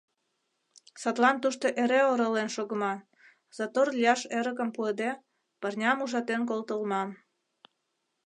Садлан тушто эре оролен шогыман, затор лияш эрыкым пуыде, пырням ужатен колтылман.